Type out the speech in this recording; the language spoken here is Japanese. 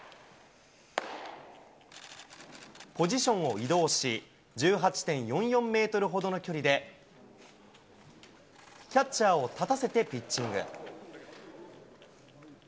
ポジションを移動し、１８．４４メートルほどの距離で、キャッチャーを立たせてピッチング。